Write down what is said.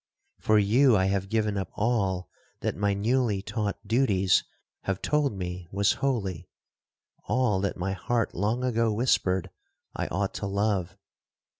For you I have given up all that my newly taught duties have told me was holy!—all that my heart long ago whispered I ought to love!